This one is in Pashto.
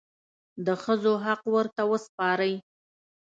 د ښځو حق ورته وسپارئ.